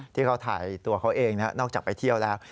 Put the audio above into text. ที่เขาถ่ายตัวเขาเองนอกจากไปเที่ยวแล้ว